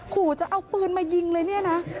ขู่จะเอาปืนมายิงเลยเนี่ยนะ